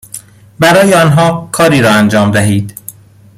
برای آنها کاری را انجام دهید،